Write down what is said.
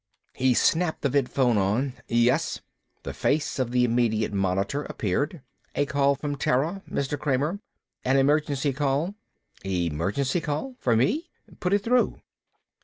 He snapped the vidphone on. "Yes?" The face of the immediate monitor appeared. "A call from Terra, Mr. Kramer. An emergency call." "Emergency call? For me? Put it through."